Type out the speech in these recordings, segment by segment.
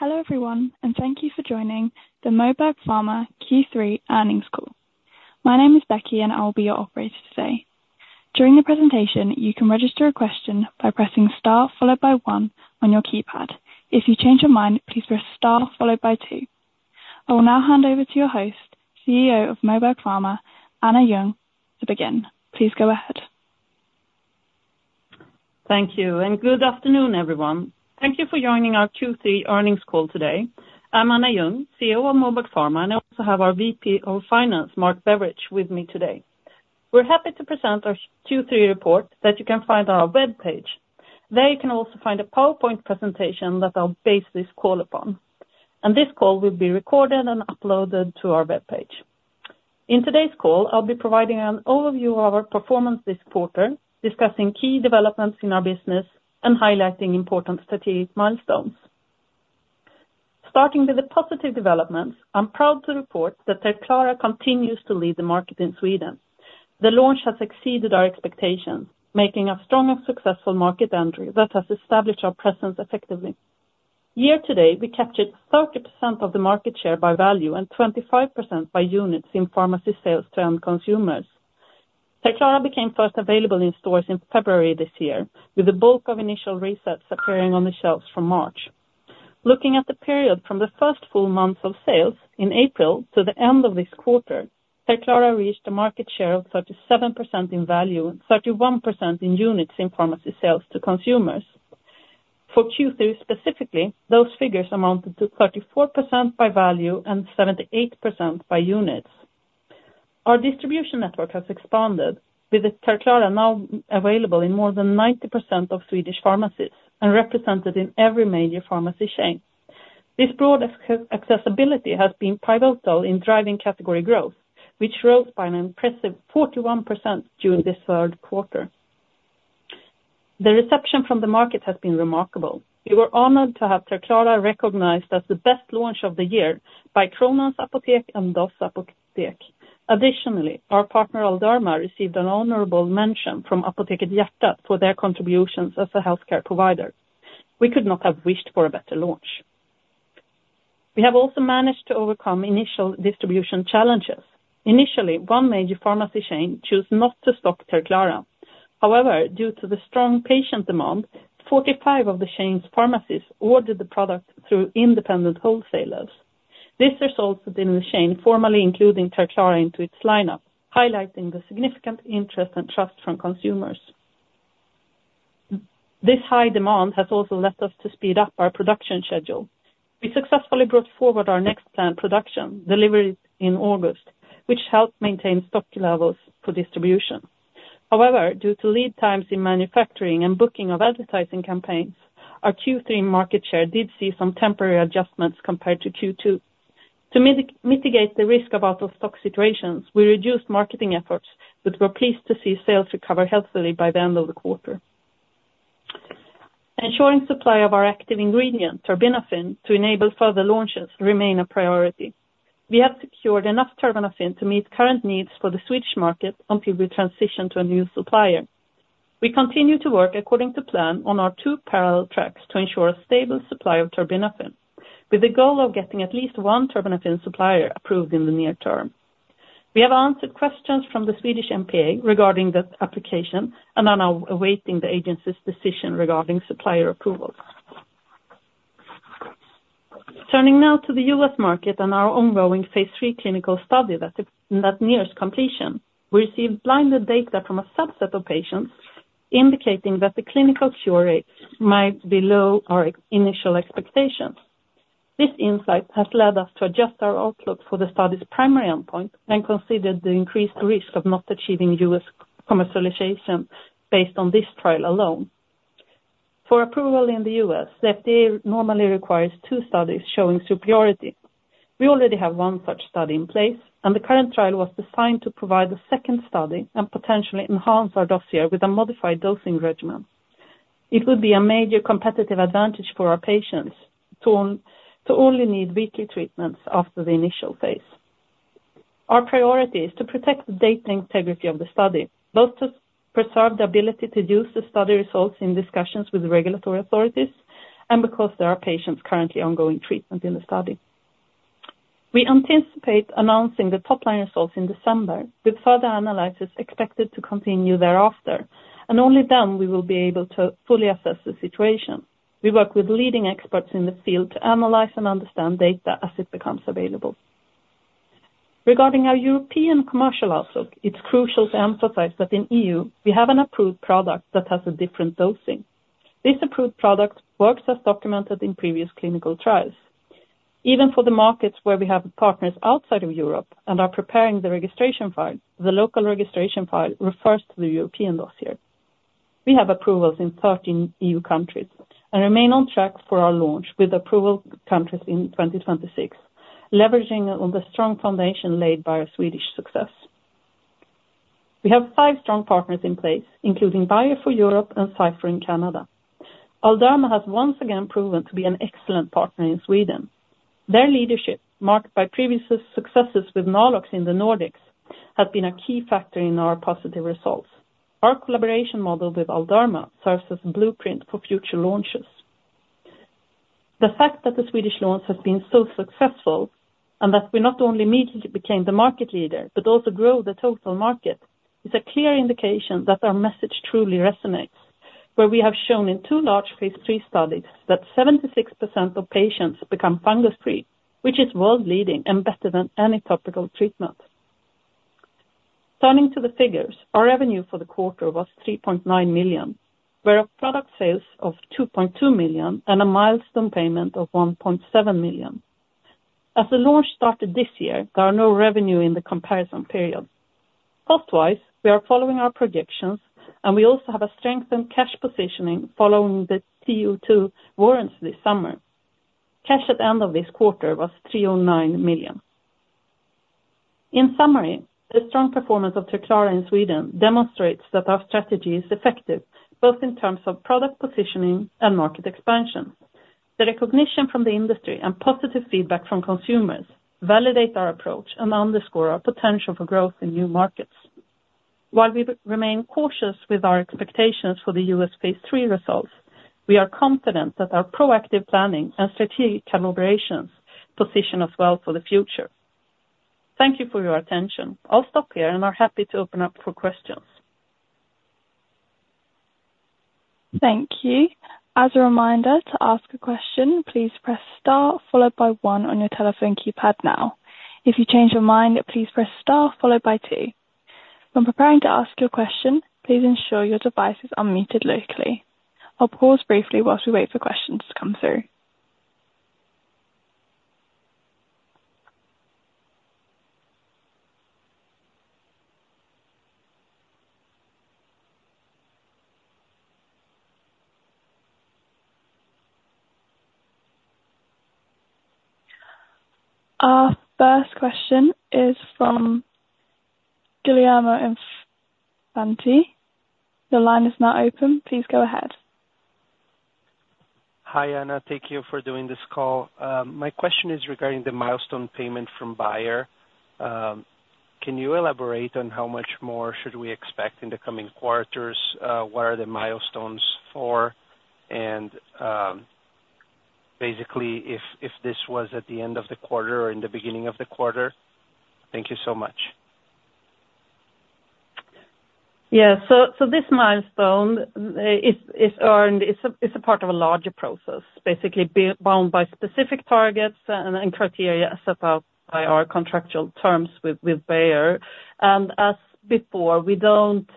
Hello everyone, and thank you for joining the Moberg Pharma Q3 earnings call. My name is Becky, and I will be your operator today. During the presentation, you can register a question by pressing star one on your keypad. If you change your mind, please press star two. I will now hand over to your host, CEO of Moberg Pharma, Anna Ljung, to begin. Please go ahead. Thank you, and good afternoon everyone. Thank you for joining our Q3 earnings call today. I'm Anna Ljung, CEO of Moberg Pharma, and I also have our VP of Finance, Mark Beveridge, with me today. We're happy to present our Q3 report that you can find on our webpage. There you can also find a PowerPoint presentation that I'll base this call upon, and this call will be recorded and uploaded to our webpage. In today's call, I'll be providing an overview of our performance this quarter, discussing key developments in our business and highlighting important strategic milestones. Starting with the positive developments, I'm proud to report that Terclara continues to lead the market in Sweden. The launch has exceeded our expectations, making a strong and successful market entry that has established our presence effectively. Year to date, we captured 30% of the market share by value and 25% by units in pharmacy sales to end consumers. Terclara became first available in stores in February this year, with the bulk of initial restocks appearing on the shelves from March. Looking at the period from the first full month of sales in April to the end of this quarter, Terclara reached a market share of 37% in value and 31% in units in pharmacy sales to consumers. For Q3 specifically, those figures amounted to 34% by value and 78% by units. Our distribution network has expanded, with Terclara now available in more than 90% of Swedish pharmacies and represented in every major pharmacy chain. This broad accessibility has been pivotal in driving category growth, which rose by an impressive 41% during this third quarter. The reception from the market has been remarkable. We were honored to have Terclara recognized as the best launch of the year by Kronans Apotek and DOZ Apotek. Additionally, our partner Allderma received an honorable mention from Apoteket Hjärtat for their contributions as a healthcare provider. We could not have wished for a better launch. We have also managed to overcome initial distribution challenges. Initially, one major pharmacy chain chose not to stock Terclara. However, due to the strong patient demand, 45 of the chain's pharmacies ordered the product through independent wholesalers. This resulted in the chain formally including Terclara into its lineup, highlighting the significant interest and trust from consumers. This high demand has also led us to speed up our production schedule. We successfully brought forward our next planned production, delivered in August, which helped maintain stock levels for distribution. However, due to lead times in manufacturing and booking of advertising campaigns, our Q3 market share did see some temporary adjustments compared to Q2. To mitigate the risk of out-of-stock situations, we reduced marketing efforts, but we're pleased to see sales recover healthily by the end of the quarter. Ensuring supply of our active ingredient, terbinafine, to enable further launches remains a priority. We have secured enough terbinafine to meet current needs for the Swedish market until we transition to a new supplier. We continue to work according to plan on our two parallel tracks to ensure a stable supply of terbinafine, with the goal of getting at least one terbinafine supplier approved in the near term. We have answered questions from the Swedish MPA regarding the application, and are now awaiting the agency's decision regarding supplier approvals. Turning now to the U.S. market and our ongoing phase III clinical study that nears completion, we received blinded data from a subset of patients indicating that the clinical cure rates might be below our initial expectations. This insight has led us to adjust our outlook for the study's primary endpoint and consider the increased risk of not achieving U.S. commercialization based on this trial alone. For approval in the U.S., the FDA normally requires two studies showing superiority. We already have one such study in place, and the current trial was designed to provide a second study and potentially enhance our dossier with a modified dosing regimen. It would be a major competitive advantage for our patients to only need weekly treatments after the initial phase. Our priority is to protect the data integrity of the study, both to preserve the ability to use the study results in discussions with regulatory authorities and because there are patients currently ongoing treatment in the study. We anticipate announcing the top line results in December, with further analysis expected to continue thereafter, and only then will we be able to fully assess the situation. We work with leading experts in the field to analyze and understand data as it becomes available. Regarding our European commercial outlook, it's crucial to emphasize that in the EU, we have an approved product that has a different dosing. This approved product works as documented in previous clinical trials. Even for the markets where we have partners outside of Europe and are preparing the registration file, the local registration file refers to the European dossier. We have approvals in 13 EU countries and remain on track for our launch with approval countries in 2026, leveraging on the strong foundation laid by our Swedish success. We have five strong partners in place, including Bayer for Europe and Cipher in Canada. Allderma has once again proven to be an excellent partner in Sweden. Their leadership, marked by previous successes with Nalox in the Nordics, has been a key factor in our positive results. Our collaboration model with Allderma serves as a blueprint for future launches. The fact that the Swedish launch has been so successful and that we not only immediately became the market leader but also grow the total market is a clear indication that our message truly resonates, where we have shown in two large phase III studies that 76% of patients become fungus-free, which is world-leading and better than any topical treatment. Turning to the figures, our revenue for the quarter was 3.9 million, with product sales of 2.2 million and a milestone payment of 1.7 million. As the launch started this year, there are no revenues in the comparison period. Cost-wise, we are following our projections, and we also have a strengthened cash positioning following the TO 2 warrants this summer. Cash at the end of this quarter was 309 million. In summary, the strong performance of Terclara in Sweden demonstrates that our strategy is effective, both in terms of product positioning and market expansion. The recognition from the industry and positive feedback from consumers validate our approach and underscore our potential for growth in new markets. While we remain cautious with our expectations for the U.S. phase III results, we are confident that our proactive planning and strategic collaborations position us well for the future. Thank you for your attention. I'll stop here and I'm happy to open up for questions. Thank you. As a reminder, to ask a question, please press star one on your telephone keypad now. If you change your mind, please press star two. When preparing to ask your question, please ensure your device is unmuted locally. I'll pause briefly whilst we wait for questions to come through. Our first question is from Guillermo Infante. The line is now open. Please go ahead. Hi Anna, thank you for doing this call. My question is regarding the milestone payment from Bayer. Can you elaborate on how much more should we expect in the coming quarters? What are the milestones for? And basically, if this was at the end of the quarter or in the beginning of the quarter? Thank you so much. Yeah, so this milestone is a part of a larger process, basically bound by specific targets and criteria set out by our contractual terms with Bayer. And as before, we don't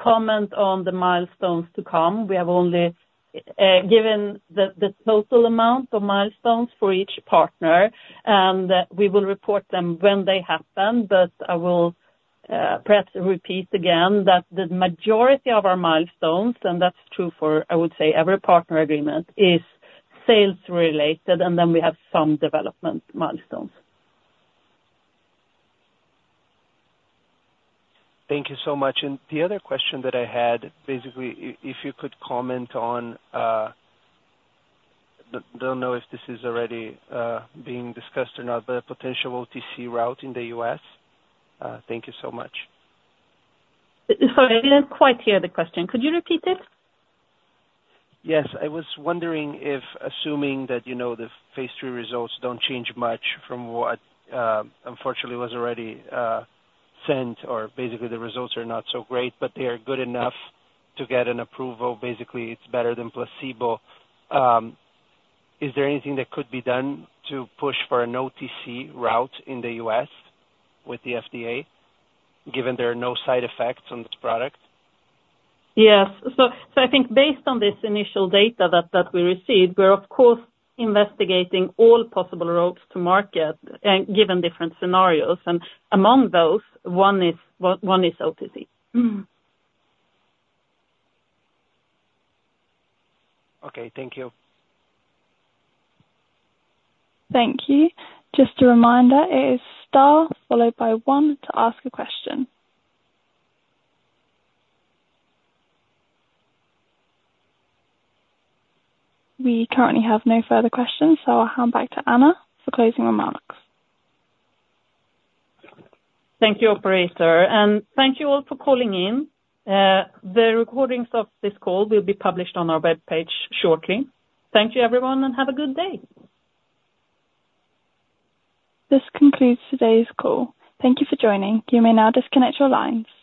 comment on the milestones to come. We have only given the total amount of milestones for each partner, and we will report them when they happen. But I will perhaps repeat again that the majority of our milestones, and that's true for, I would say, every partner agreement, is sales-related, and then we have some development milestones. Thank you so much, and the other question that I had, basically, if you could comment on, I don't know if this is already being discussed or not, but a potential OTC route in the U.S.? Thank you so much. Sorry, I didn't quite hear the question. Could you repeat it? Yes, I was wondering if, assuming that the phase III results don't change much from what unfortunately was already sent, or basically the results are not so great, but they are good enough to get an approval, basically it's better than placebo, is there anything that could be done to push for an OTC route in the U.S. with the FDA, given there are no side effects on this product? Yes, so I think based on this initial data that we received, we're of course investigating all possible routes to market given different scenarios, and among those, one is OTC. Okay, thank you. Thank you. Just a reminder, it is press star one to ask a question. We currently have no further questions, so I'll hand back to Anna for closing remarks. Thank you, operator, and thank you all for calling in. The recordings of this call will be published on our webpage shortly. Thank you everyone and have a good day. This concludes today's call. Thank you for joining. You may now disconnect your lines.